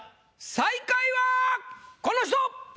最下位はこの人！